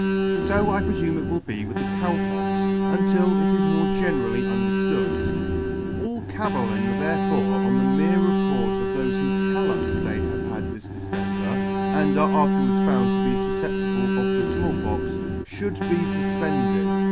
So I prefume it will be with the Cow Pox, until it is more generally underftood. All cavilling therefore on the mere report of thofe who tell us they have had this diftemper, and are after wards found to be fufceptible of the Small Pox, fhould be fuf pended.